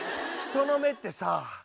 人の目ってさ